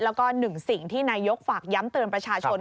แล้วก็หนึ่งสิ่งที่นายกฝากย้ำเตือนประชาชน